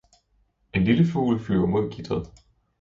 En lille fugl flyver mod gitteret.